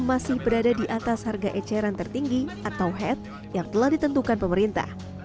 mendak lutfi berada di atas harga eceran tertinggi atau hed yang telah ditentukan pemerintah